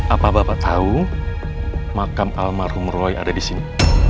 apa bapak tahu makam almarhum roy ada di sini